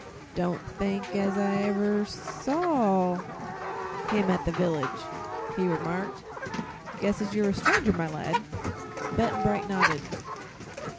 "Don't think as ever I sawr him at the village," he remarked. "Guess as you're a stranger, my lad." Button Bright nodded.